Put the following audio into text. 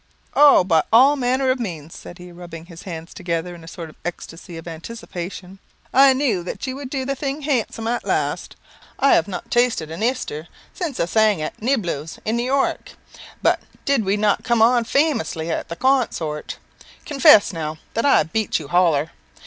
"Oh, by all manner of means," said he, rubbing his hands together in a sort of ecstasy of anticipation; "I knew that you would do the thing handsome at last. I have not tasted an i'ster since I sang at Niblo's in New York. But did we not come on famously at the con sort? Confess, now, that I beat you holler.